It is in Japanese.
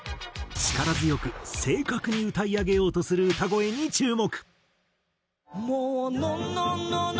力強く正確に歌い上げようとする歌声に注目。